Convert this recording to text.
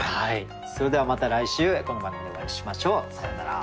それではまた来週この番組でお会いしましょう。さようなら。